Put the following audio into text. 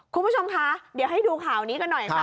คุณผู้ชมคะเดี๋ยวให้ดูข่าวนี้กันหน่อยค่ะ